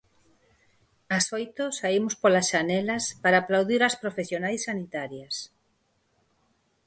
Ás oito saímos polas xanelas para aplaudir ás profesionais sanitarias.